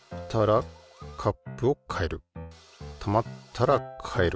たまったらかえる。